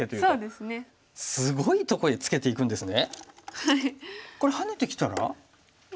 はい。